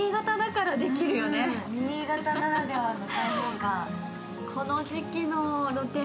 新潟ならではの開放感。